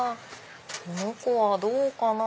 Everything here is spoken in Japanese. この子はどうかな？